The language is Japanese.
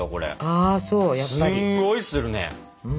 すんごいするね。